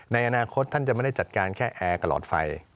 ในอนาคตท่านจะไม่ได้จัดการแค่แอร์กับหลอดไฟ